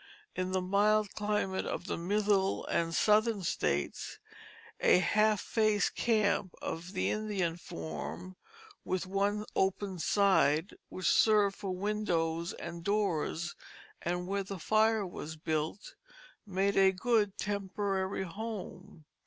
In the mild climate of the Middle and Southern states a "half faced camp," of the Indian form, with one open side, which served for windows and door, and where the fire was built, made a good temporary home.